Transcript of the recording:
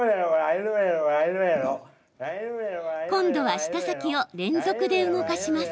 今度は、舌先を連続で動かします。